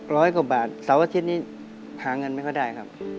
ร้อยกว่าบาทเสาร์อาทิตย์นี้หาเงินไม่ค่อยได้ครับ